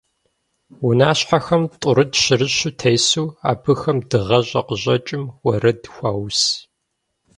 Унащхьэхэм тӀурытӀ-щырыщу тесу, абыхэм дыгъэщӀэ къыщӀэкӀым уэрэд хуаус.